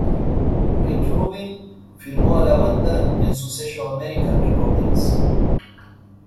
Rick Rubin firmó a la banda en su sello American Recordings.